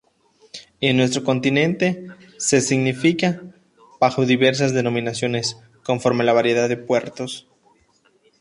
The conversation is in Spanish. En nuestro continente se significa bajo diversas denominaciones, conforme la variedad de puertos.